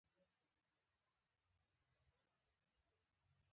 یوازې شل کښتۍ تاریخ یې له میلاده پنځه سوه کاله مخکې دی.